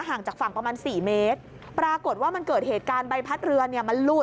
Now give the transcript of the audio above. ห่างจากฝั่งประมาณสี่เมตรปรากฏว่ามันเกิดเหตุการณ์ใบพัดเรือเนี่ยมันลูด